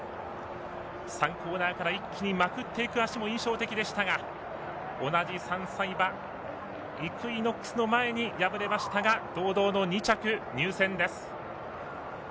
３コーナーから一気にまくっていく脚も印象的でしたが同じ３歳馬イクイノックスの前に敗れましたが堂々の２着入線です。